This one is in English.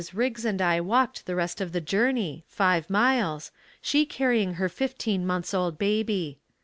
Riggs and I walked the rest of the journey, five miles, she carrying her fifteen months old baby.